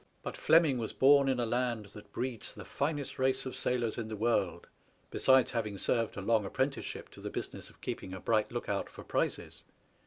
But Fleming was bom in a land that breeds the finest race of sailors in the world, besides having served a long apprenticeship to the business of keeping a bright look out for prizes.